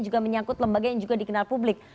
juga menyangkut lembaga yang juga dikenal publik